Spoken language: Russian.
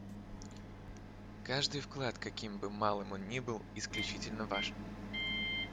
Каждый вклад, каким бы малым он ни был, исключительно важен.